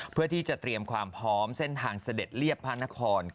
เพื่อที่จะเตรียมความพร้อมเส้นทางเสด็จเรียบพระนคร